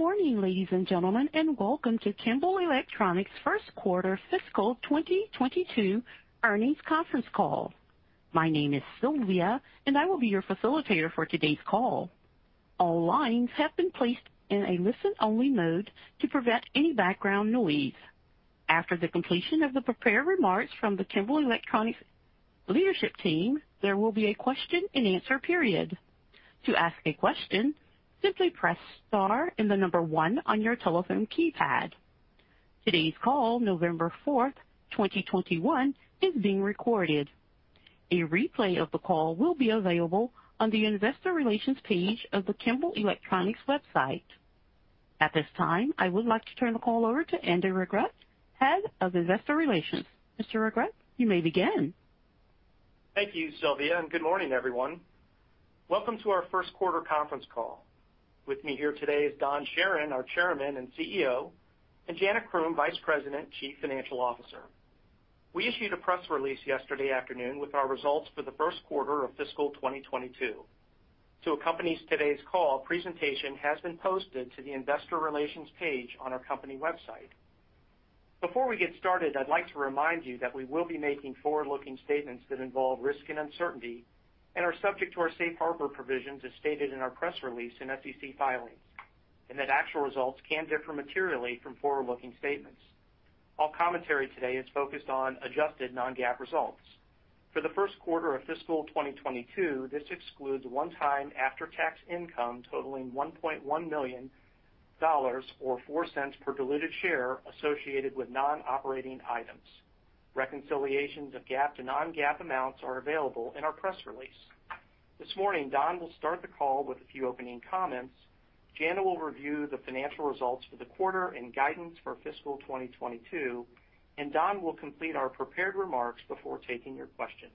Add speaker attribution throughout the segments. Speaker 1: Good morning, ladies and gentlemen, and welcome to Kimball Electronics first quarter fiscal 2022 earnings conference call. My name is Sylvia, and I will be your facilitator for today's call. All lines have been placed in a listen-only mode to prevent any background noise. After the completion of the prepared remarks from the Kimball Electronics leadership team, there will be a question-and-answer period. To ask a question, simply press star one on your telephone keypad. Today's call, November 4th, 2021, is being recorded. A replay of the call will be available on the investor relations page of the Kimball Electronics website. At this time, I would like to turn the call over to Andy Regrut, Head of Investor Relations. Mr. Regrut, you may begin.
Speaker 2: Thank you, Sylvia, and good morning, everyone. Welcome to our first quarter conference call. With me here today is Don Charron, our Chairman and CEO, and Jana Croom, Vice President, Chief Financial Officer. We issued a press release yesterday afternoon with our results for the first quarter of fiscal 2022. To accompany today's call, a presentation has been posted to the investor relations page on our company website. Before we get started, I'd like to remind you that we will be making forward-looking statements that involve risk and uncertainty and are subject to our safe harbor provisions as stated in our press release and SEC filings, and that actual results can differ materially from forward-looking statements. All commentary today is focused on adjusted non-GAAP results. For the first quarter of fiscal 2022, this excludes one-time after-tax income totaling $1.1 million or $0.04 per diluted share associated with non-operating items. Reconciliations of GAAP to non-GAAP amounts are available in our press release. This morning, Don will start the call with a few opening comments. Jana will review the financial results for the quarter and guidance for fiscal 2022, and Don will complete our prepared remarks before taking your questions.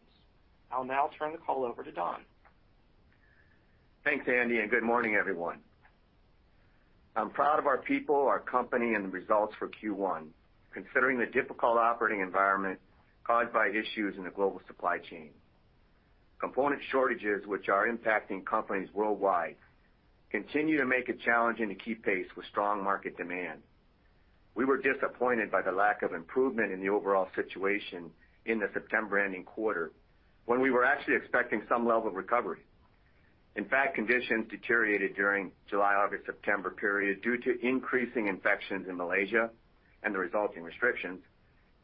Speaker 2: I'll now turn the call over to Don.
Speaker 3: Thanks, Andy, and good morning, everyone. I'm proud of our people, our company, and the results for Q1. Considering the difficult operating environment caused by issues in the global supply chain. Component shortages, which are impacting companies worldwide, continue to make it challenging to keep pace with strong market demand. We were disappointed by the lack of improvement in the overall situation in the September ending quarter when we were actually expecting some level of recovery. In fact, conditions deteriorated during July, August, September period due to increasing infections in Malaysia and the resulting restrictions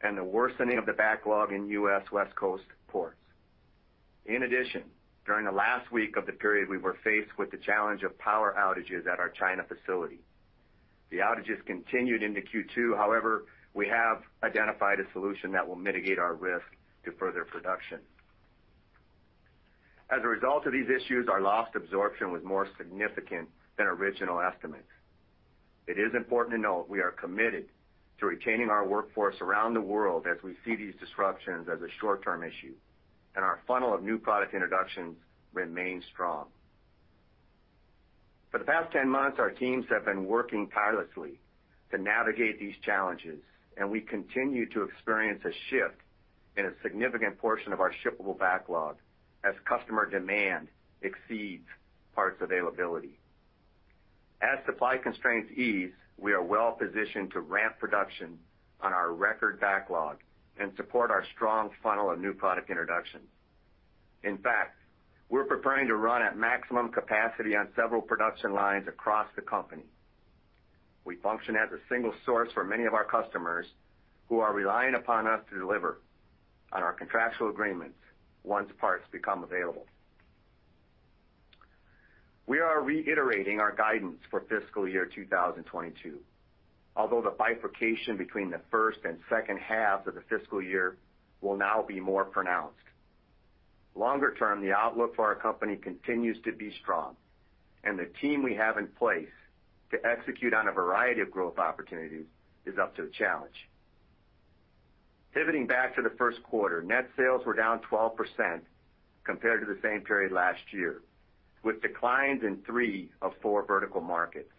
Speaker 3: and the worsening of the backlog in U.S. West Coast ports. In addition, during the last week of the period, we were faced with the challenge of power outages at our China facility. The outages continued into Q2. However, we have identified a solution that will mitigate our risk to further production. As a result of these issues, our lost absorption was more significant than original estimates. It is important to note we are committed to retaining our workforce around the world as we see these disruptions as a short-term issue, and our funnel of new product introductions remains strong. For the past 10 months, our teams have been working tirelessly to navigate these challenges, and we continue to experience a shift in a significant portion of our shippable backlog as customer demand exceeds parts availability. As supply constraints ease, we are well-positioned to ramp production on our record backlog and support our strong funnel of new product introductions. In fact, we're preparing to run at maximum capacity on several production lines across the company. We function as a single source for many of our customers who are relying upon us to deliver on our contractual agreements once parts become available. We are reiterating our guidance for fiscal year 2022. Although the bifurcation between the first and second halves of the fiscal year will now be more pronounced. Longer term, the outlook for our company continues to be strong, and the team we have in place to execute on a variety of growth opportunities is up to the challenge. Pivoting back to the first quarter, net sales were down 12% compared to the same period last year, with declines in three of four vertical markets.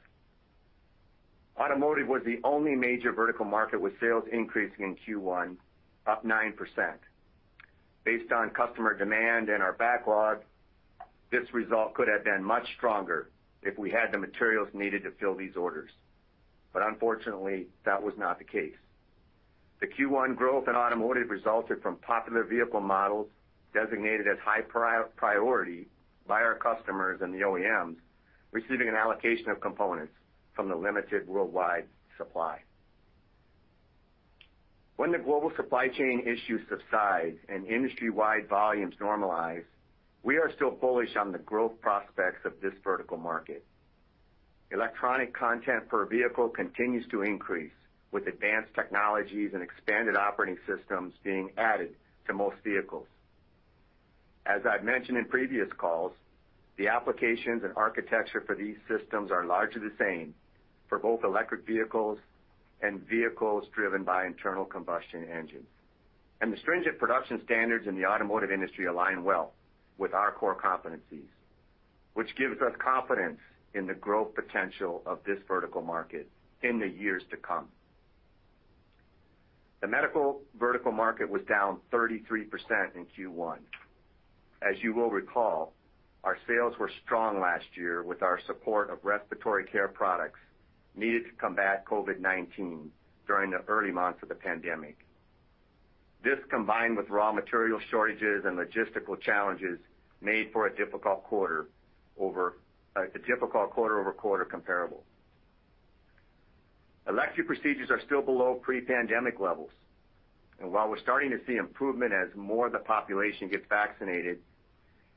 Speaker 3: Automotive was the only major vertical market, with sales increasing in Q1 up 9%. Based on customer demand and our backlog, this result could have been much stronger if we had the materials needed to fill these orders. Unfortunately, that was not the case. The Q1 growth in automotive resulted from popular vehicle models designated as high priority by our customers and the OEMs, receiving an allocation of components from the limited worldwide supply. When the global supply chain issues subside and industry-wide volumes normalize, we are still bullish on the growth prospects of this vertical market. Electronic content per vehicle continues to increase, with advanced technologies and expanded operating systems being added to most vehicles. As I've mentioned in previous calls, the applications and architecture for these systems are largely the same for both electric vehicles and vehicles driven by internal combustion engines. The stringent production standards in the automotive industry align well with our core competencies, which gives us confidence in the growth potential of this vertical market in the years to come. The medical vertical market was down 33% in Q1. As you will recall, our sales were strong last year with our support of respiratory care products needed to combat COVID-19 during the early months of the pandemic. This, combined with raw material shortages and logistical challenges, made for a difficult quarter-over-quarter comparable. Elective procedures are still below pre-pandemic levels, and while we're starting to see improvement as more of the population gets vaccinated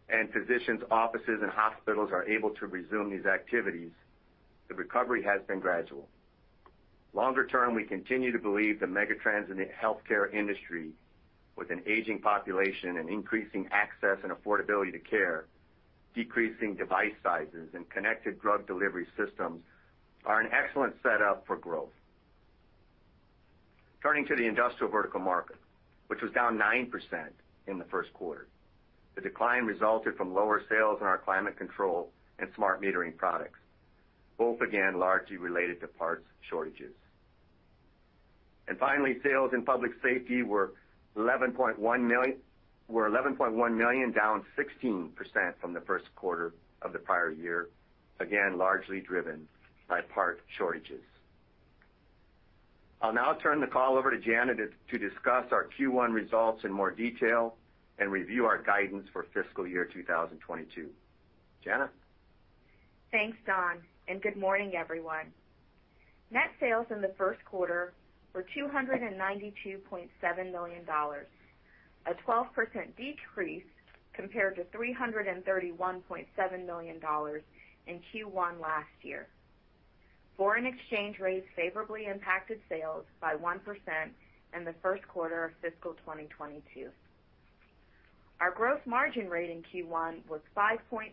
Speaker 3: and physicians, offices, and hospitals are able to resume these activities, the recovery has been gradual. Longer term, we continue to believe the megatrends in the healthcare industry, with an aging population and increasing access and affordability to care, decreasing device sizes and connected drug delivery systems, are an excellent setup for growth. Turning to the industrial vertical market, which was down 9% in the first quarter. The decline resulted from lower sales in our climate control and smart metering products, both again largely related to parts shortages. Finally, sales in public safety were $11.1 million, down 16% from the first quarter of the prior year, again, largely driven by parts shortages. I'll now turn the call over to Jana to discuss our Q1 results in more detail and review our guidance for fiscal year 2022. Jana?
Speaker 4: Thanks, Don, and good morning, everyone. Net sales in the first quarter were $292.7 million, a 12% decrease compared to $331.7 million in Q1 last year. Foreign exchange rates favorably impacted sales by 1% in the first quarter of fiscal 2022. Our growth margin rate in Q1 was 5.3%,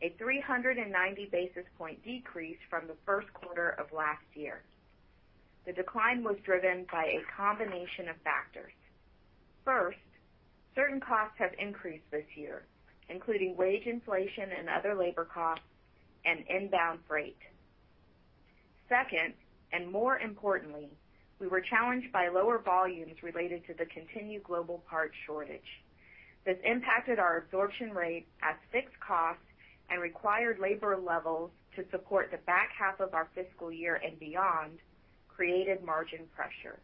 Speaker 4: a 390 basis point decrease from the first quarter of last year. The decline was driven by a combination of factors. First, certain costs have increased this year, including wage inflation and other labor costs and inbound freight. Second, and more importantly, we were challenged by lower volumes related to the continued global parts shortage. This impacted our absorption rate at fixed costs and required labor levels to support the back half of our fiscal year and beyond, created margin pressure.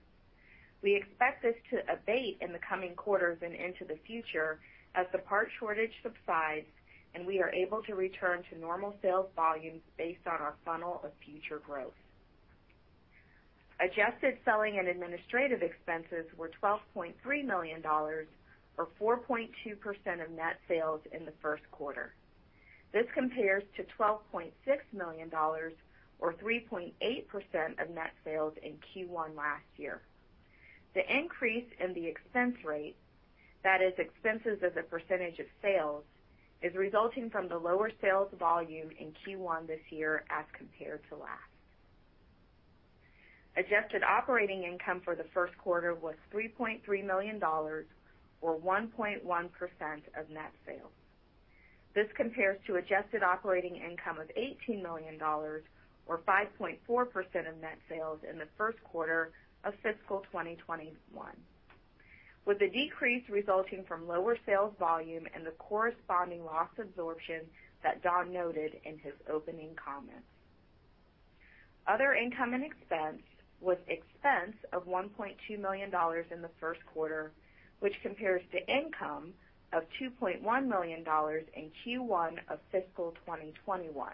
Speaker 4: We expect this to abate in the coming quarters and into the future as the parts shortage subsides and we are able to return to normal sales volumes based on our funnel of future growth. Adjusted selling and administrative expenses were $12.3 million or 4.2% of net sales in the first quarter. This compares to $12.6 million or 3.8% of net sales in Q1 last year. The increase in the expense rate, that is, expenses as a percentage of sales, is resulting from the lower sales volume in Q1 this year as compared to last. Adjusted operating income for the first quarter was $3.3 million or 1.1% of net sales. This compares to adjusted operating income of $18 million or 5.4% of net sales in the first quarter of fiscal 2021, with the decrease resulting from lower sales volume and the corresponding loss absorption that Don noted in his opening comments. Other income and expense was expense of $1.2 million in the first quarter, which compares to income of $2.1 million in Q1 of fiscal 2021.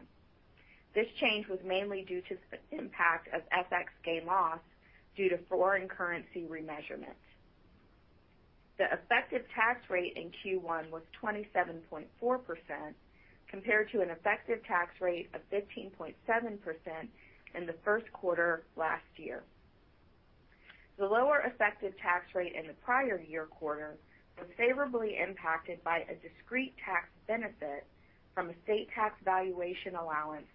Speaker 4: This change was mainly due to the impact of FX gain loss due to foreign currency remeasurement. The effective tax rate in Q1 was 27.4% compared to an effective tax rate of 15.7% in the first quarter last year. The lower effective tax rate in the prior year quarter was favorably impacted by a discrete tax benefit from a state tax valuation allowance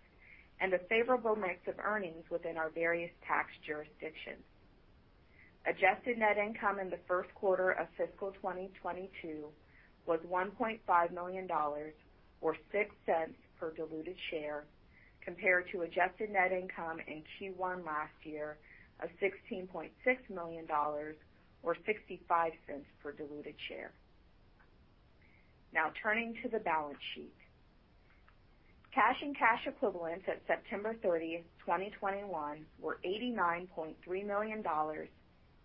Speaker 4: and a favorable mix of earnings within our various tax jurisdictions. Adjusted net income in the first quarter of fiscal 2022 was $1.5 million or $0.06 per diluted share, compared to adjusted net income in Q1 last year of $16.6 million or $0.65 per diluted share. Now, turning to the balance sheet. Cash and cash equivalents at September 30, 2021 were $89.3 million,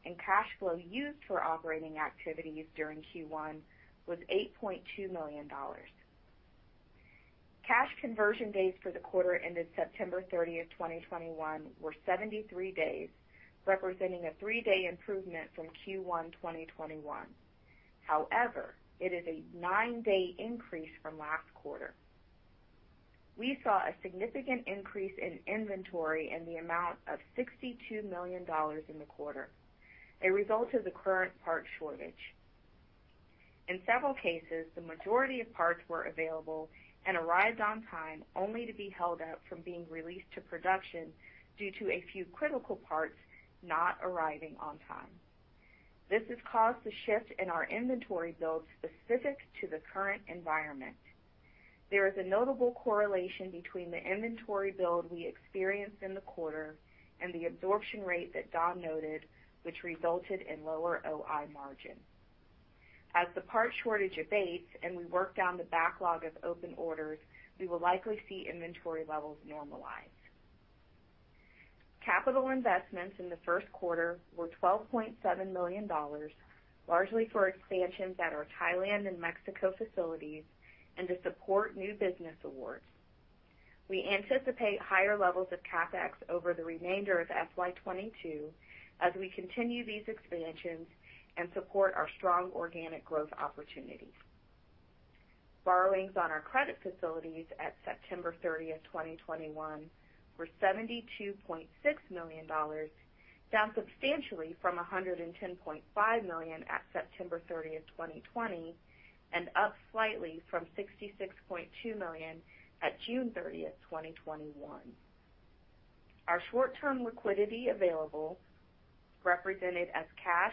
Speaker 4: and cash flow used for operating activities during Q1 was $8.2 million. Cash conversion days for the quarter ended September 30th, 2021 were 73 days, representing a three day improvement from Q1 2021. However, it is a nine day increase from last quarter. We saw a significant increase in inventory in the amount of $62 million in the quarter, a result of the current parts shortage. In several cases, the majority of parts were available and arrived on time, only to be held up from being released to production due to a few critical parts not arriving on time. This has caused a shift in our inventory build specific to the current environment. There is a notable correlation between the inventory build we experienced in the quarter and the absorption rate that Don noted, which resulted in lower OI margin. As the part shortage abates and we work down the backlog of open orders, we will likely see inventory levels normalize. Capital investments in the first quarter were $12.7 million, largely for expansions at our Thailand and Mexico facilities and to support new business awards. We anticipate higher levels of CapEx over the remainder of FY 2022 as we continue these expansions and support our strong organic growth opportunities. Borrowings on our credit facilities at September 30th, 2021 were $72.6 million, down substantially from $110.5 million at September 30th, 2020, and up slightly from $66.2 million at June 30th, 2021. Our short-term liquidity available, represented as cash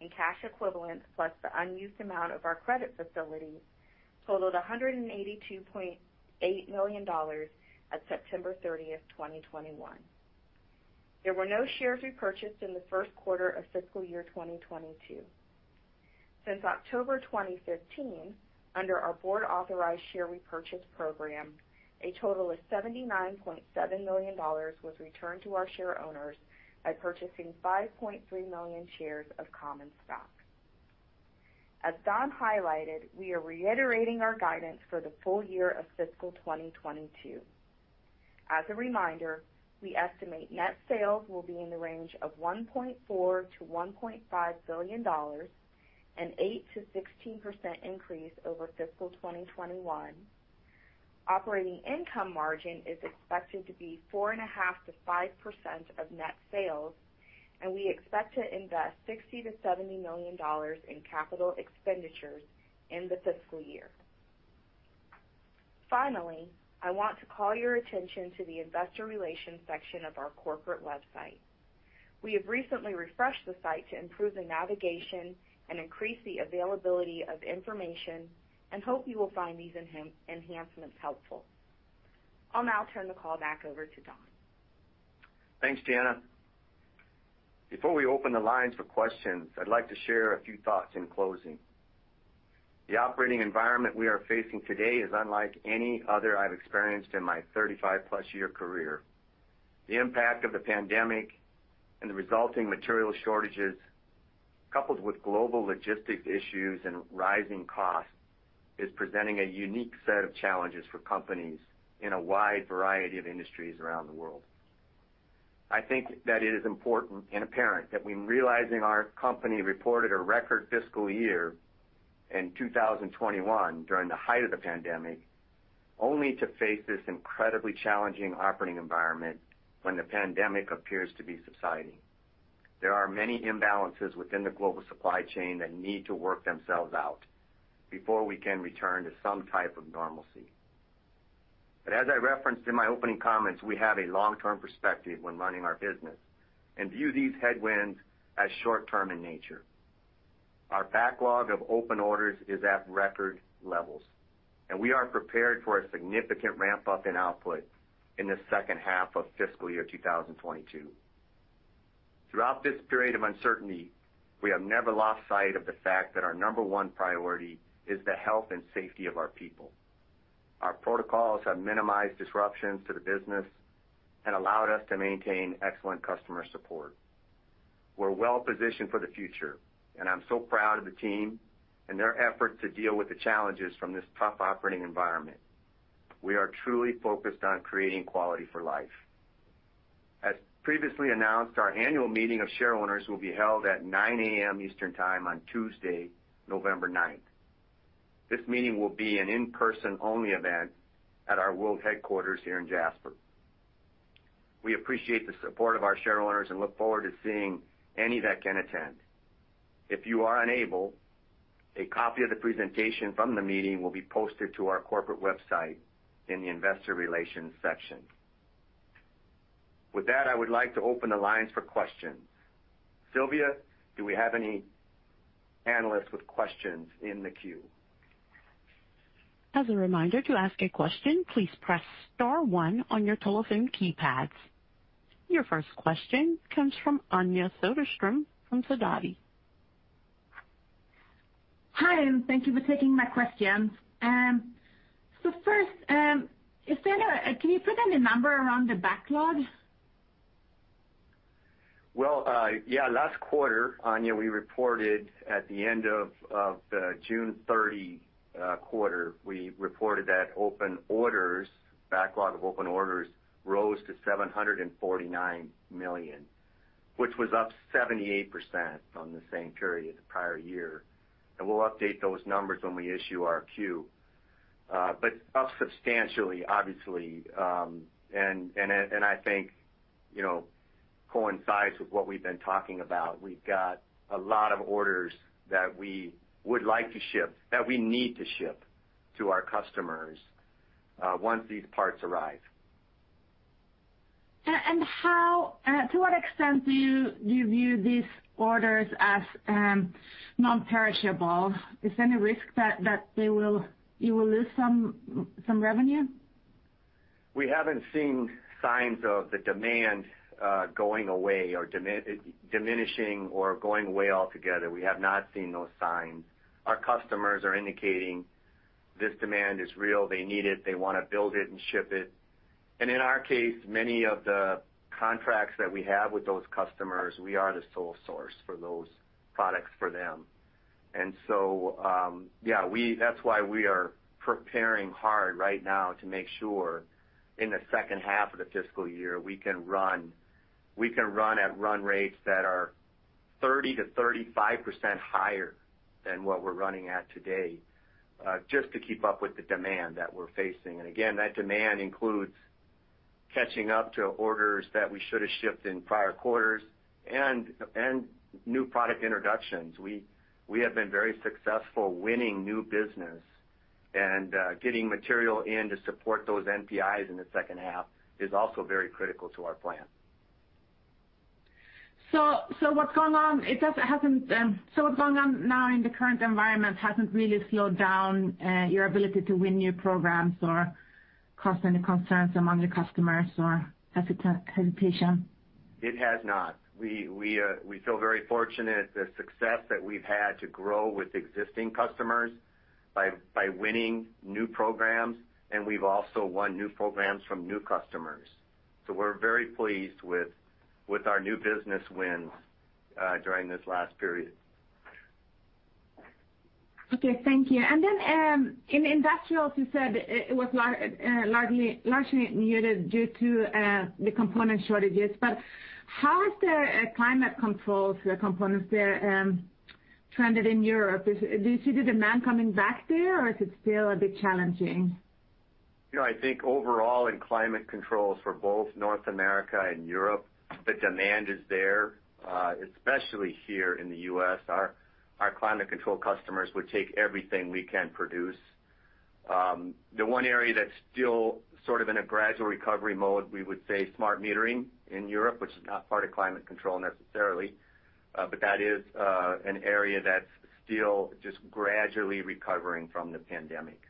Speaker 4: and cash equivalents, plus the unused amount of our credit facility totaled $182.8 million at September 30th, 2021. There were no shares repurchased in the first quarter of fiscal year 2022. Since October 2015, under our Board authorized share repurchase program, a total of $79.7 million was returned to our share owners by purchasing 5.3 million shares of common stock. As Don highlighted, we are reiterating our guidance for the full year of fiscal 2022. As a reminder, we estimate net sales will be in the range of $1.4 billion-$1.5 billion, an 8%-16% increase over fiscal 2021. Operating income margin is expected to be 4.5%-5% of net sales, and we expect to invest $60 million-$70 million in capital expenditures in the fiscal year. Finally, I want to call your attention to the investor relations section of our corporate website. We have recently refreshed the site to improve the navigation and increase the availability of information and hope you will find these enhancements helpful. I'll now turn the call back over to Don.
Speaker 3: Thanks, Jana. Before we open the lines for questions, I'd like to share a few thoughts in closing. The operating environment we are facing today is unlike any other I've experienced in my 35+ year career. The impact of the pandemic and the resulting material shortages, coupled with global logistics issues and rising costs, is presenting a unique set of challenges for companies in a wide variety of industries around the world. I think that it is important and apparent that we're realizing our company reported a record fiscal year in 2021 during the height of the pandemic, only to face this incredibly challenging operating environment when the pandemic appears to be subsiding. There are many imbalances within the global supply chain that need to work themselves out before we can return to some type of normalcy. As I referenced in my opening comments, we have a long-term perspective when running our business and view these headwinds as short term in nature. Our backlog of open orders is at record levels, and we are prepared for a significant ramp up in output in the second half of fiscal year 2022. Throughout this period of uncertainty, we have never lost sight of the fact that our number one priority is the health and safety of our people. Our protocols have minimized disruptions to the business and allowed us to maintain excellent customer support. We're well-positioned for the future, and I'm so proud of the team and their efforts to deal with the challenges from this tough operating environment. We are truly focused on creating quality for life. As previously announced, our annual meeting of shareholders will be held at 9:00 A.M. Eastern time on Tuesday, November ninth. This meeting will be an in-person only event at our world headquarters here in Jasper. We appreciate the support of our shareholders and look forward to seeing any that can attend. If you are unable, a copy of the presentation from the meeting will be posted to our corporate website in the investor relations section. With that, I would like to open the lines for questions. Sylvia, do we have any analysts with questions in the queue?
Speaker 1: As a reminder, to ask a question, please press star one on your telephone keypads. Your first question comes from Anja Soderstrom from Sidoti.
Speaker 5: Hi, thank you for taking my questions. First, can you put in a number around the backlog?
Speaker 3: Well, yeah. Last quarter, Anja. We reported at the end of the June 30 quarter, we reported that open orders, backlog of open orders rose to $749 million, which was up 78% from the same period the prior year. We'll update those numbers when we issue our Q2, but up substantially, obviously, and I think, you know, coincides with what we've been talking about. We've got a lot of orders that we would like to ship, that we need to ship to our customers, once these parts arrive.
Speaker 5: How to what extent do you view these orders as non-perishable? Is there any risk that you will lose some revenue?
Speaker 3: We haven't seen signs of the demand going away or diminishing or going away altogether. We have not seen those signs. Our customers are indicating this demand is real. They need it. They wanna build it and ship it. In our case, many of the contracts that we have with those customers, we are the sole source for those products for them. That's why we are preparing hard right now to make sure in the second half of the fiscal year, we can run at run rates that are 30%-35% higher than what we're running at today, just to keep up with the demand that we're facing. That demand includes catching up to orders that we should have shipped in prior quarters and new product introductions. We have been very successful winning new business and getting material in to support those NPIs in the second half is also very critical to our plan.
Speaker 5: What's going on now in the current environment hasn't really slowed down your ability to win new programs or caused any concerns among your customers or hesitation?
Speaker 3: It has not. We feel very fortunate the success that we've had to grow with existing customers by winning new programs, and we've also won new programs from new customers. We're very pleased with our new business wins during this last period.
Speaker 5: Okay, thank you. In industrials, you said it was largely muted due to the component shortages. How is the climate controls, the components there, trended in Europe? Do you see the demand coming back there, or is it still a bit challenging?
Speaker 3: You know, I think overall in climate controls for both North America and Europe, the demand is there, especially here in the U.S. Our climate control customers would take everything we can produce. The one area that's still sort of in a gradual recovery mode, we would say smart metering in Europe, which is not part of climate control necessarily, but that is an area that's still just gradually recovering from the pandemic.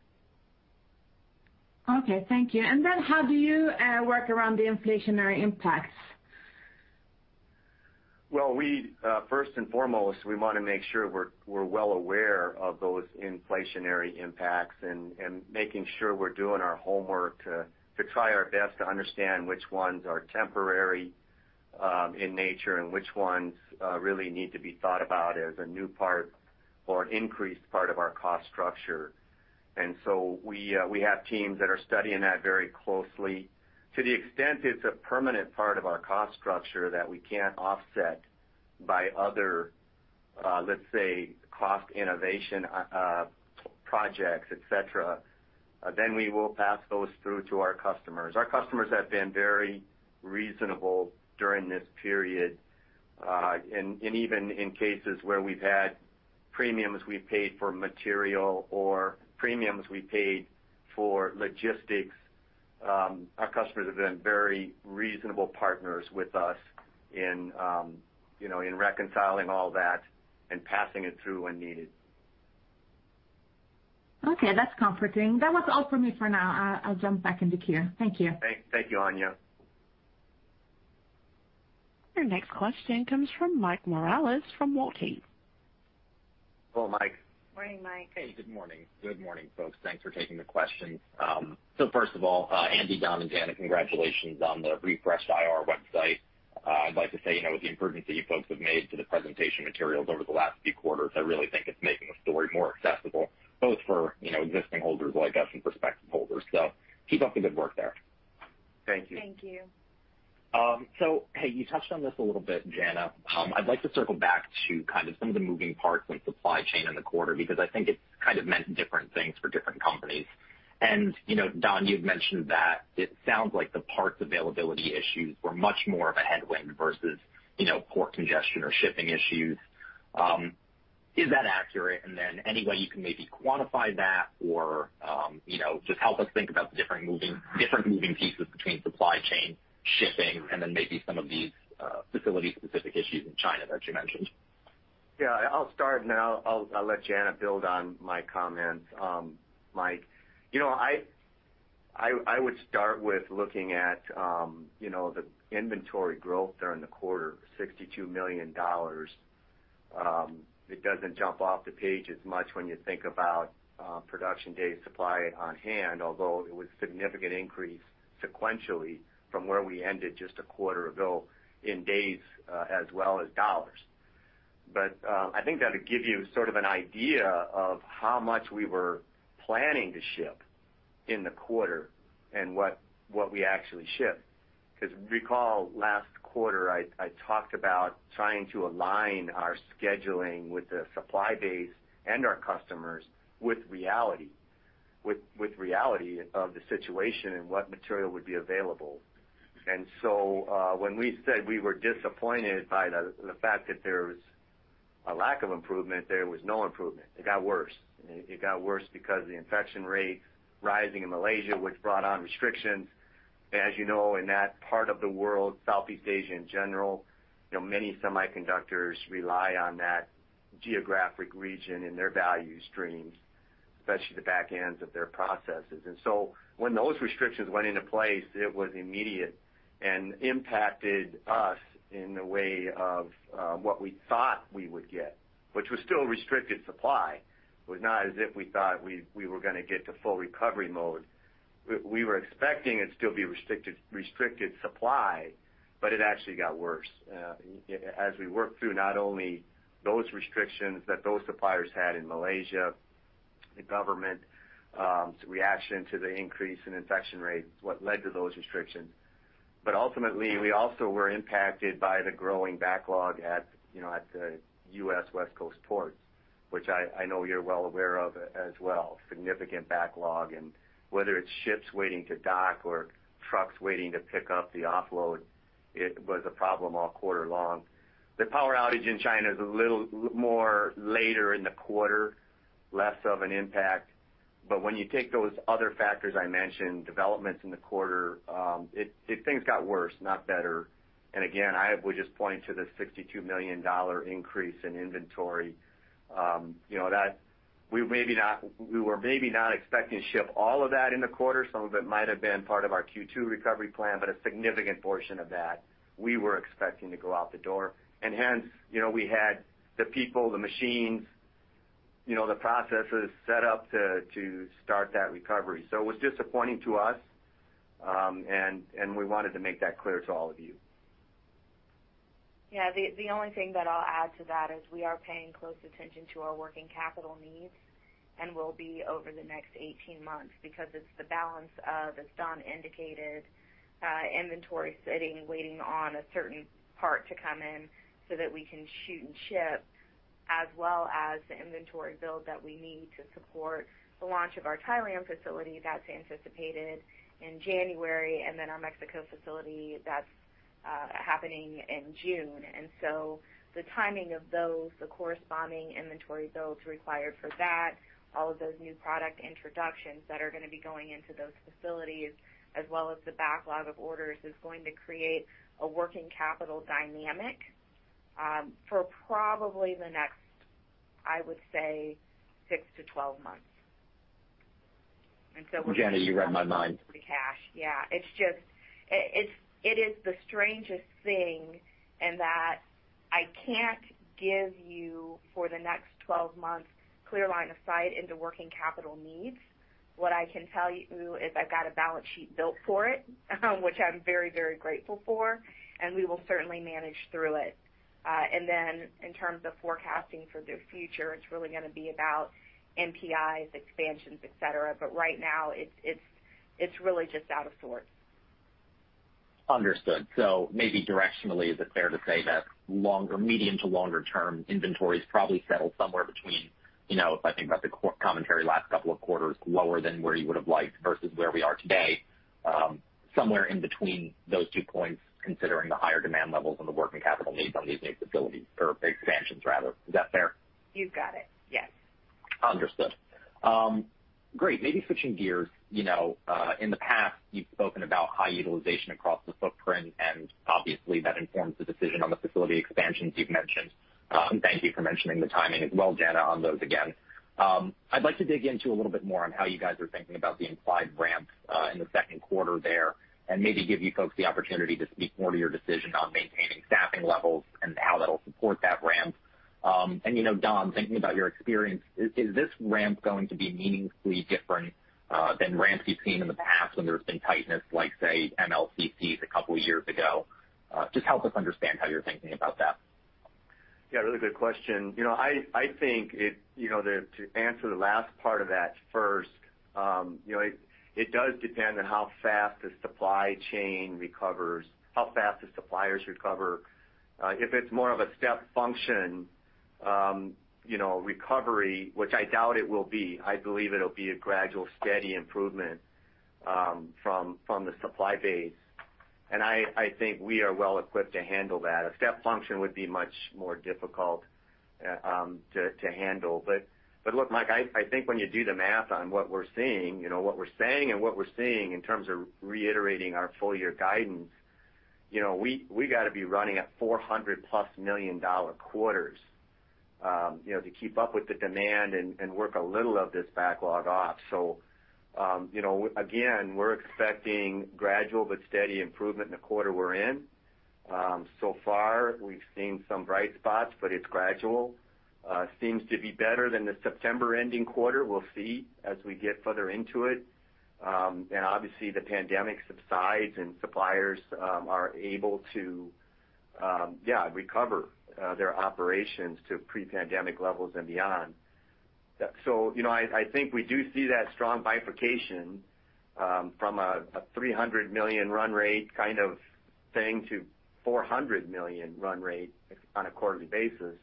Speaker 5: Okay, thank you. How do you work around the inflationary impacts?
Speaker 3: Well, first and foremost, we want to make sure we're well aware of those inflationary impacts and making sure we're doing our homework to try our best to understand which ones are temporary in nature and which ones really need to be thought about as a new part or an increased part of our cost structure. We have teams that are studying that very closely. To the extent it's a permanent part of our cost structure that we can't offset by other, let's say, cost innovation projects, et cetera, then we will pass those through to our customers. Our customers have been very reasonable during this period, and even in cases where we've had premiums we paid for material or premiums we paid for logistics, our customers have been very reasonable partners with us in, you know, in reconciling all that and passing it through when needed.
Speaker 5: Okay, that's comforting. That was all for me for now. I'll jump back into queue. Thank you.
Speaker 3: Thank you, Anja.
Speaker 1: Your next question comes from Mike Morales from Walthausen.
Speaker 3: Hello, Mike.
Speaker 4: Morning, Mike.
Speaker 6: Hey, good morning. Good morning, folks. Thanks for taking the questions. Andy, Don, and Jana, congratulations on the refreshed IR website. I'd like to say, you know, the improvements that you folks have made to the presentation materials over the last few quarters, I really think it's making the story more accessible, both for, you know, existing holders like us and prospective holders. Keep up the good work there.
Speaker 3: Thank you.
Speaker 4: Thank you.
Speaker 6: Hey, you touched on this a little bit, Jana. I'd like to circle back to kind of some of the moving parts in supply chain in the quarter because I think it kind of meant different things for different companies. You know, Don, you've mentioned that it sounds like the parts availability issues were much more of a headwind versus, you know, port congestion or shipping issues. Is that accurate? Then any way you can maybe quantify that or, you know, just help us think about the different moving pieces between supply chain shipping and then maybe some of these facility-specific issues in China that you mentioned.
Speaker 3: Yeah, I'll start, and then I'll let Jana build on my comments, Mike. You know, I would start with looking at, you know, the inventory growth during the quarter, $62 million. It doesn't jump off the page as much when you think about production days supply on hand, although it was a significant increase sequentially from where we ended just a quarter ago in days as well as dollars. I think that'll give you sort of an idea of how much we were planning to ship in the quarter and what we actually shipped. 'Cause recall last quarter, I talked about trying to align our scheduling with the supply base and our customers with reality of the situation and what material would be available. When we said we were disappointed by the fact that there's a lack of improvement, there was no improvement. It got worse because the infection rate rising in Malaysia, which brought on restrictions. As you know, in that part of the world, Southeast Asia in general, many semiconductors rely on that geographic region in their value streams, especially the back ends of their processes. When those restrictions went into place, it was immediate and impacted us in the way of what we thought we would get, which was still restricted supply. It was not as if we thought we were gonna get to full recovery mode. We were expecting it to still be restricted supply, but it actually got worse. As we worked through not only those restrictions that those suppliers had in Malaysia, the government reaction to the increase in infection rates, what led to those restrictions. Ultimately, we also were impacted by the growing backlog at the U.S. West Coast ports, which I know you're well aware of as well, significant backlog. Whether it's ships waiting to dock or trucks waiting to pick up the offload, it was a problem all quarter long. The power outage in China is a little more later in the quarter, less of an impact. When you take those other factors I mentioned, developments in the quarter, things got worse, not better. Again, I would just point to the $62 million increase in inventory, you know, that we were maybe not expecting to ship all of that in the quarter. Some of it might have been part of our Q2 recovery plan, but a significant portion of that we were expecting to go out the door. Hence, you know, we had the people, the machines, you know, the processes set up to start that recovery. It was disappointing to us, and we wanted to make that clear to all of you.
Speaker 4: Yeah. The only thing that I'll add to that is we are paying close attention to our working capital needs and will be over the next 18 months because it's the balance of, as Don indicated, inventory sitting, waiting on a certain part to come in so that we can shoot and ship, as well as the inventory build that we need to support the launch of our Thailand facility that's anticipated in January and then our Mexico facility that's happening in June. The timing of those, the corresponding inventory builds required for that, all of those new product introductions that are gonna be going into those facilities, as well as the backlog of orders, is going to create a working capital dynamic, for probably the next, I would say, six months-12 months. We're-
Speaker 3: Jana, you read my mind.
Speaker 4: cash. Yeah. It is the strangest thing in that I can't give you for the next 12 months clear line of sight into working capital needs. What I can tell you is I've got a balance sheet built for it, which I'm very, very grateful for, and we will certainly manage through it. Then in terms of forecasting for the future, it's really gonna be about NPIs, expansions, et cetera. Right now, it's really just out of sorts.
Speaker 6: Understood. Maybe directionally, is it fair to say that medium to longer term inventories probably settle somewhere between, you know, if I think about the commentary last couple of quarters, lower than where you would have liked versus where we are today, somewhere in between those two points, considering the higher demand levels and the working capital needs on these new facilities or expansions rather. Is that fair?
Speaker 4: You've got it. Yes.
Speaker 6: Understood. Great. Maybe switching gears. You know, in the past, you've spoken about high utilization across the footprint, and obviously that informs the decision on the facility expansions you've mentioned. Thank you for mentioning the timing as well, Jana, on those again. I'd like to dig into a little bit more on how you guys are thinking about the implied ramp in the second quarter there and maybe give you folks the opportunity to speak more to your decision on maintaining staffing levels and how that'll support that ramp. You know, Don, thinking about your experience, is this ramp going to be meaningfully different than ramps you've seen in the past when there's been tightness, like, say, MLCCs a couple of years ago? Just help us understand how you're thinking about that.
Speaker 3: Yeah, really good question. You know, I think it, you know, to answer the last part of that first, you know, it does depend on how fast the supply chain recovers, how fast the suppliers recover. If it's more of a step function, you know, recovery, which I doubt it will be, I believe it'll be a gradual steady improvement from the supply base. I think we are well equipped to handle that. A step function would be much more difficult to handle. Look, Mike, I think when you do the math on what we're seeing, you know, what we're saying and what we're seeing in terms of reiterating our full year guidance, you know, we gotta be running at $400+ million quarters to keep up with the demand and work a little of this backlog off. You know, again, we're expecting gradual but steady improvement in the quarter we're in. So far, we've seen some bright spots, but it's gradual. It seems to be better than the September ending quarter. We'll see as we get further into it. Obviously, the pandemic subsides and suppliers are able to recover their operations to pre-pandemic levels and beyond. You know, I think we do see that strong bifurcation from a $300 million run rate kind of thing to $400 million run rate on a quarterly basis.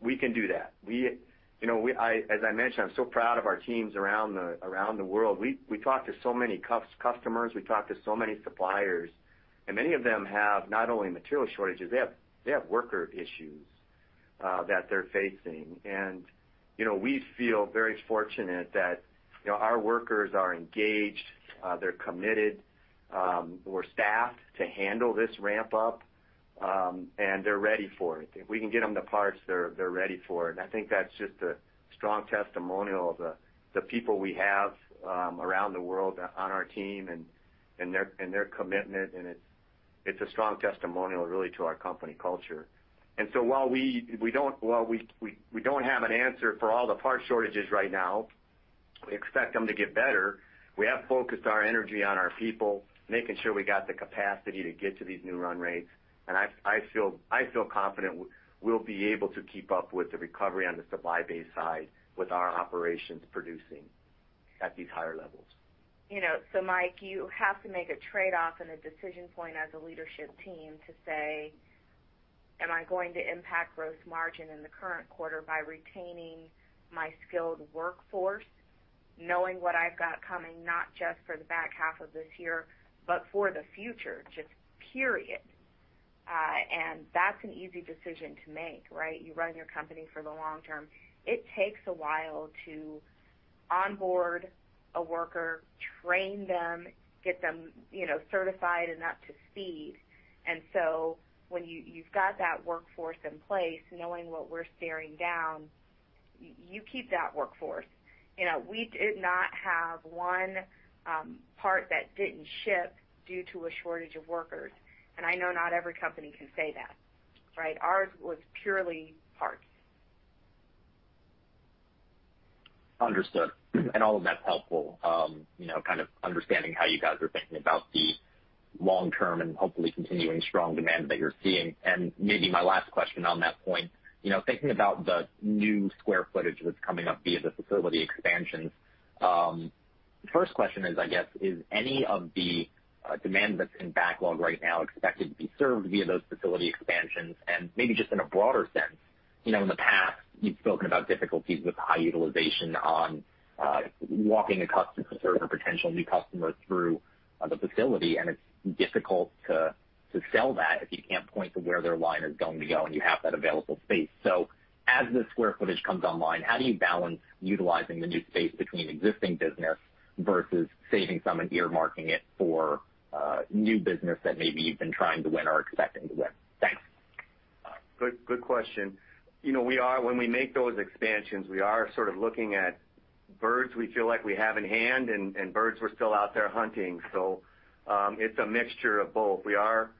Speaker 3: We can do that. You know, as I mentioned, I'm so proud of our teams around the world. We talk to so many customers, we talk to so many suppliers, and many of them have not only material shortages, they have worker issues that they're facing. You know, we feel very fortunate that our workers are engaged, they're committed, we're staffed to handle this ramp up, and they're ready for it. If we can get them the parts, they're ready for it. I think that's just a strong testimonial of the people we have around the world on our team and their commitment. It's a strong testimonial really to our company culture. While we don't have an answer for all the part shortages right now, we expect them to get better. We have focused our energy on our people, making sure we got the capacity to get to these new run rates. I feel confident we'll be able to keep up with the recovery on the supply base side with our operations producing at these higher levels.
Speaker 4: You know, Mike. You have to make a trade-off and a decision point as a leadership team to say, "Am I going to impact gross margin in the current quarter by retaining my skilled workforce, knowing what I've got coming, not just for the back half of this year, but for the future, just period." That's an easy decision to make, right? You run your company for the long term. It takes a while to onboard a worker, train them, get them, you know, certified and up to speed. When you've got that workforce in place, knowing what we're staring down, you keep that workforce. You know, we did not have one part that didn't ship due to a shortage of workers. I know not every company can say that, right? Ours was purely parts.
Speaker 6: Understood. All of that's helpful, you know, kind of understanding how you guys are thinking about the long term and hopefully continuing strong demand that you're seeing. Maybe my last question on that point, you know, thinking about the new square footage that's coming up via the facility expansions. The first question is, I guess, is any of the demand that's in backlog right now expected to be served via those facility expansions? Maybe just in a broader sense, you know, in the past, you've spoken about difficulties with high utilization on walking a customer or potential new customer through the facility, and it's difficult to sell that if you can't point to where their line is going to go and you have that available space. As the square footage comes online, how do you balance utilizing the new space between existing business versus saving some and earmarking it for new business that maybe you've been trying to win or expecting to win? Thanks.
Speaker 3: Good question. You know, we are, when we make those expansions, we are sort of looking at birds we feel like we have in hand and birds we're still out there hunting. It's a mixture of both. We are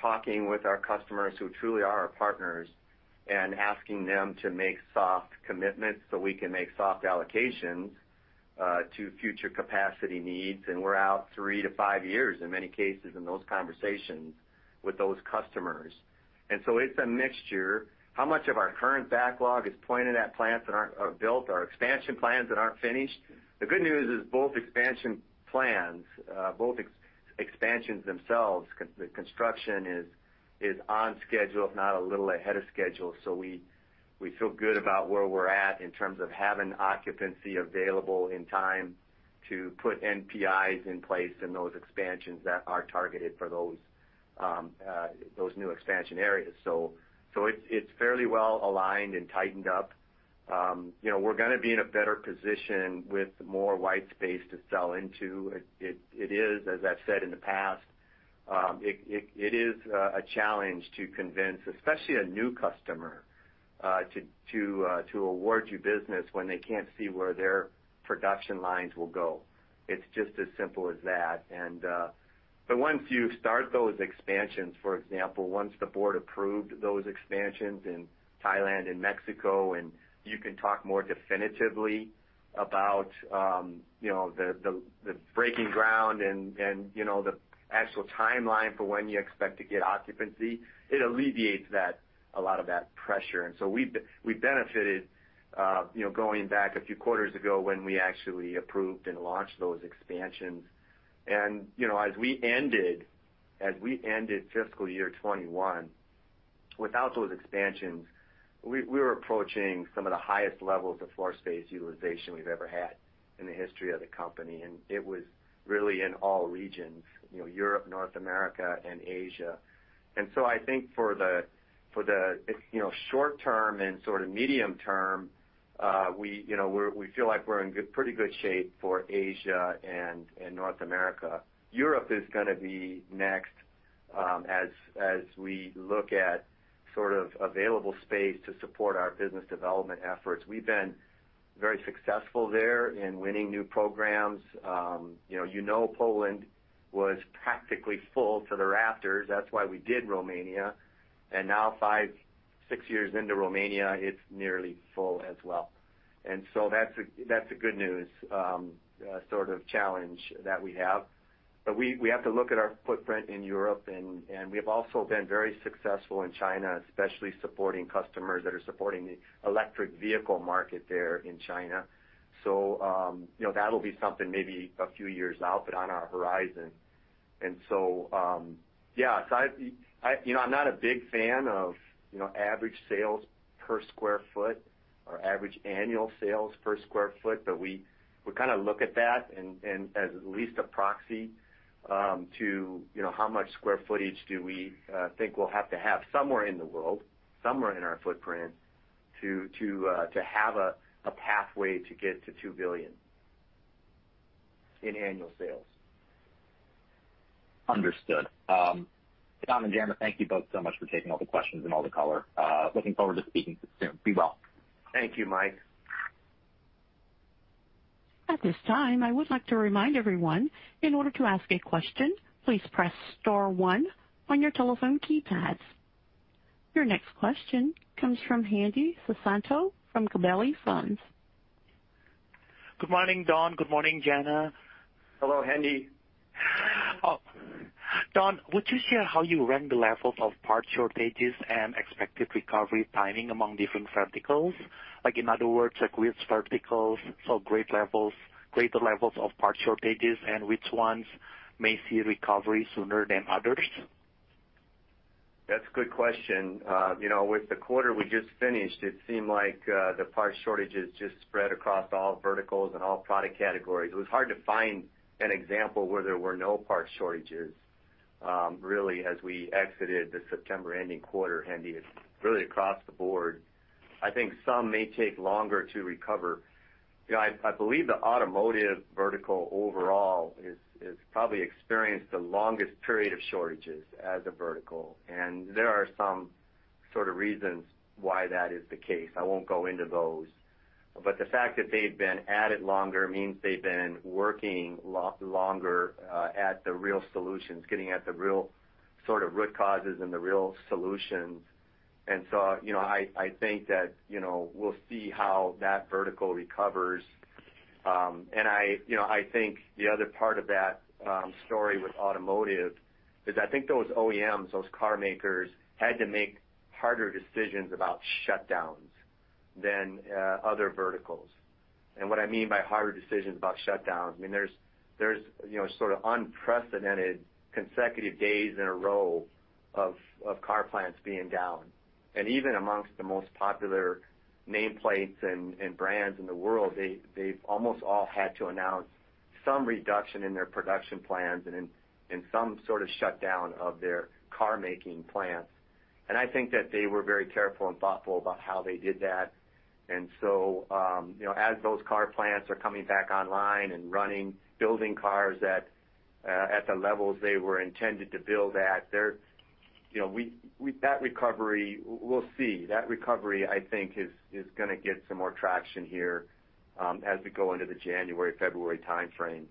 Speaker 3: talking with our customers who truly are our partners and asking them to make soft commitments so we can make soft allocations to future capacity needs. We're out three to five years in many cases in those conversations with those customers. It's a mixture. How much of our current backlog is pointed at plants that aren't built or expansion plans that aren't finished? The good news is both expansion plans, both expansions themselves, construction is on schedule, if not a little ahead of schedule. We feel good about where we're at in terms of having occupancy available in time to put NPIs in place and those expansions that are targeted for those new expansion areas. It's fairly well aligned and tightened up. You know, we're gonna be in a better position with more white space to sell into. It is, as I've said in the past, a challenge to convince, especially a new customer, to award you business when they can't see where their production lines will go. It's just as simple as that. Once you start those expansions, for example, once the board approved those expansions in Thailand and Mexico, and you can talk more definitively about you know, the breaking ground and you know, the actual timeline for when you expect to get occupancy, it alleviates that a lot of that pressure. We've benefited you know, going back a few quarters ago when we actually approved and launched those expansions. You know, as we ended fiscal year 2021, without those expansions, we were approaching some of the highest levels of floor space utilization we've ever had in the history of the company. It was really in all regions, you know, Europe, North America, and Asia. I think for the you know short term and sort of medium term we you know we feel like we're in pretty good shape for Asia and North America. Europe is gonna be next as we look at sort of available space to support our business development efforts. We've been very successful there in winning new programs. You know Poland was practically full to the rafters. That's why we did Romania. Now five, six years into Romania, it's nearly full as well. That's a good news sort of challenge that we have. We have to look at our footprint in Europe and we have also been very successful in China, especially supporting customers that are supporting the electric vehicle market there in China. you know, that'll be something maybe a few years out, but on our horizon. I you know, I'm not a big fan of you know, average sales per sq ft. Our average annual sales per sq ft, but we kind of look at that and as at least a proxy to you know, how much square footage do we think we'll have to have somewhere in the world, somewhere in our footprint to have a pathway to get to $2 billion in annual sales.
Speaker 6: Understood. Don and Jana, thank you both so much for taking all the questions and all the color. Looking forward to speaking soon. Be well.
Speaker 3: Thank you, Mike.
Speaker 1: At this time, I would like to remind everyone, in order to ask a question, please press star one on your telephone keypads. Your next question comes from Hendi Susanto from Gabelli Funds.
Speaker 7: Good morning, Don. Good morning, Jana.
Speaker 3: Hello, Hendi.
Speaker 7: Oh, Don, would you share how you rank the levels of part shortages and expected recovery timing among different verticals? Like in other words, like which verticals saw greater levels of part shortages and which ones may see recovery sooner than others?
Speaker 3: That's a good question. You know, with the quarter we just finished, it seemed like the part shortages just spread across all verticals and all product categories. It was hard to find an example where there were no part shortages, really as we exited the September ending quarter. Hendi, It's really across the board. I think some may take longer to recover. You know, I believe the automotive vertical overall is probably experienced the longest period of shortages as a vertical. There are some sort of reasons why that is the case. I won't go into those. The fact that they've been at it longer means they've been working longer at the real solutions, getting at the real sort of root causes and the real solutions. You know, I think that, you know, we'll see how that vertical recovers. I, you know, I think the other part of that story with automotive is I think those OEMs, those car makers had to make harder decisions about shutdowns than other verticals. What I mean by harder decisions about shutdowns, I mean, there's you know, sort of unprecedented consecutive days in a row of car plants being down. Even amongst the most popular nameplates and brands in the world, they've almost all had to announce some reduction in their production plans and in some sort of shutdown of their car making plants. I think that they were very careful and thoughtful about how they did that. You know, as those car plants are coming back online and running, building cars at the levels they were intended to build at, they're you know that recovery, we'll see. That recovery, I think is gonna get some more traction here as we go into the January, February timeframe.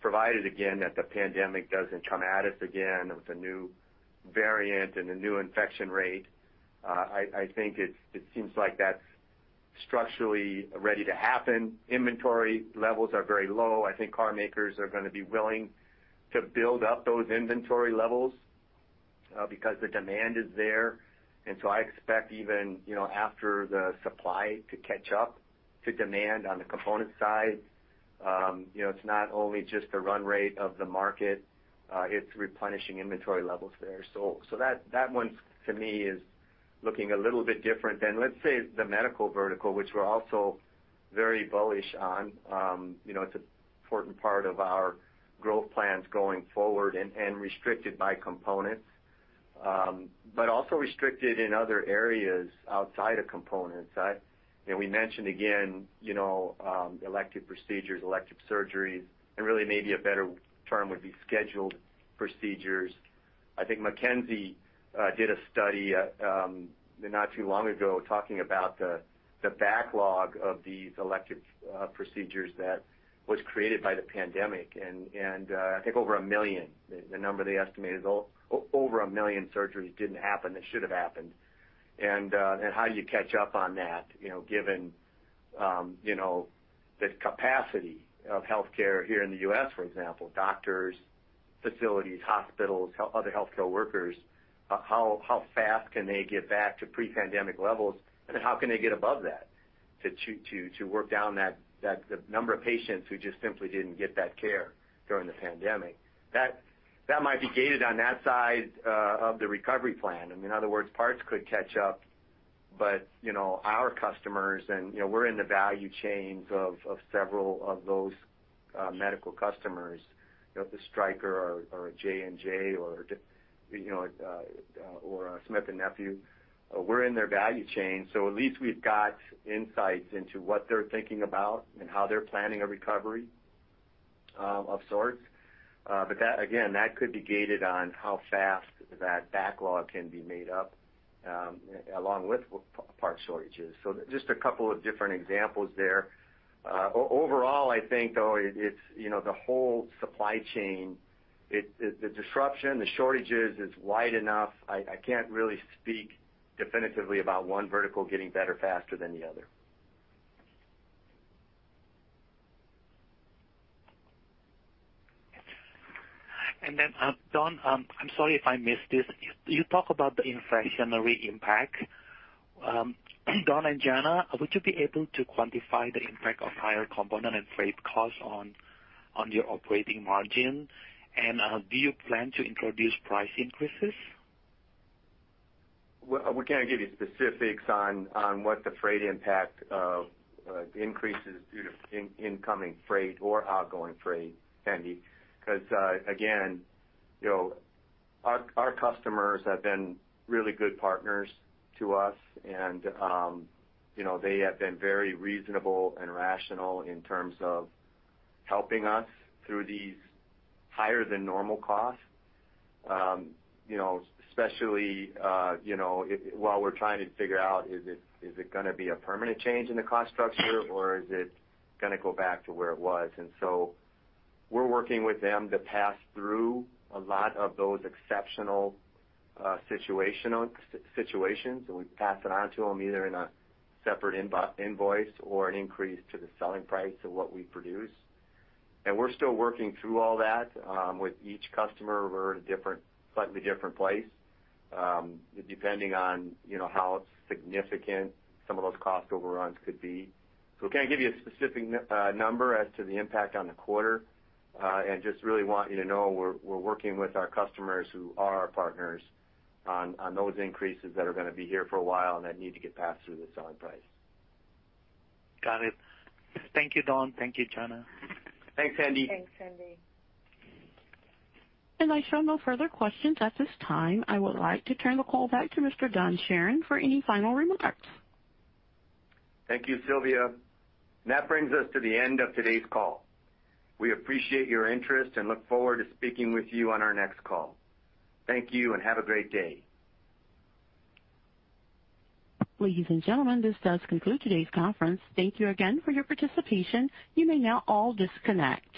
Speaker 3: Provided again, that the pandemic doesn't come at us again with a new variant and a new infection rate. I think it seems like that's structurally ready to happen. Inventory levels are very low. I think car makers are gonna be willing to build up those inventory levels because the demand is there. I expect even, you know, after the supply to catch up to demand on the component side, you know, it's not only just the run rate of the market, it's replenishing inventory levels there. That one for me is looking a little bit different than, let's say, the medical vertical, which we're also very bullish on. You know, it's an important part of our growth plans going forward and restricted by components. Also restricted in other areas outside of components. You know, we mentioned again, you know, elective procedures, elective surgeries, and really maybe a better term would be scheduled procedures. I think McKinsey did a study not too long ago talking about the backlog of these elective procedures that was created by the pandemic. I think over 1 million, the number they estimated, over 1 million surgeries didn't happen that should have happened. How do you catch up on that, you know, given, you know, the capacity of healthcare here in the U.S., for example, doctors, facilities, hospitals, other healthcare workers, how fast can they get back to pre-pandemic levels? How can they get above that to work down that number of patients who just simply didn't get that care during the pandemic? That might be gated on that side of the recovery plfan. I mean, in other words, parts could catch up, but, you know, our customers and, you know, we're in the value chains of several of those medical customers. You know, the Stryker or J&J or Smith & Nephew. We're in their value chain, so at least we've got insights into what they're thinking about and how they're planning a recovery of sorts. That again could be gated on how fast that backlog can be made up, along with part shortages. Just a couple of different examples there. Overall, I think though it's, you know, the whole supply chain, the disruption, the shortages is wide enough. I can't really speak definitively about one vertical getting better faster than the other.
Speaker 7: Don, I'm sorry if I missed this. You talk about the inflationary impact. Don and Jana, would you be able to quantify the impact of higher component and freight costs on your operating margin? Do you plan to introduce price increases?
Speaker 3: Well, we can't give you specifics on what the freight impact of increases due to incoming freight or outgoing freight, Hendi, 'cause, again, you know, our customers have been really good partners to us and, you know, they have been very reasonable and rational in terms of helping us through these higher than normal costs. You know, especially, you know, while we're trying to figure out is it gonna be a permanent change in the cost structure or is it gonna go back to where it was. We're working with them to pass through a lot of those exceptional, situational situations, and we pass it on to them either in a separate invoice or an increase to the selling price of what we produce. We're still working through all that. With each customer, we're at a slightly different place, depending on, you know, how significant some of those cost overruns could be. We can't give you a specific number as to the impact on the quarter, and just really want you to know we're working with our customers who are our partners on those increases that are gonna be here for a while and that need to get passed through the selling price.
Speaker 7: Got it. Thank you, Don. Thank you, Jana.
Speaker 3: Thanks, Hendi.
Speaker 4: Thanks, Hendi.
Speaker 1: I show no further questions at this time. I would like to turn the call back to Mr. Don Charron for any final remarks.
Speaker 3: Thank you, Sylvia. That brings us to the end of today's call. We appreciate your interest and look forward to speaking with you on our next call. Thank you and have a great day.
Speaker 1: Ladies and gentlemen, this does conclude today's conference. Thank you again for your participation. You may now all disconnect.